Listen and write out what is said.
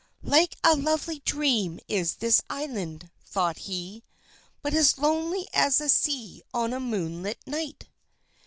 "Like a lovely dream is this island!" thought he, "but as lonely as the sea on a moonlit night!"